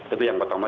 itu yang pertama